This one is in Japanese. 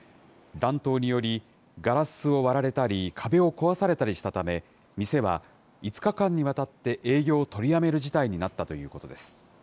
乱闘により、ガラスを割られたり、壁を壊されたりしたため、店は５日間にわたって営業を取りやめる事態になったということです。